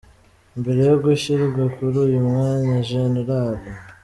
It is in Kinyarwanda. Mbere yo gushyirwa kuri uyu mwanya Gen.